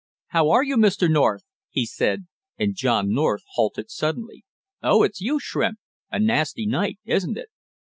"How are you, Mr. North!" he said, and John North halted suddenly. "Oh, it's you, Shrimp! A nasty night, isn't it?"